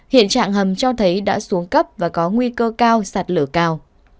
hiện trạng hầm cho thấy đã xuống cấp và có nguy cơ cao sạt lở cao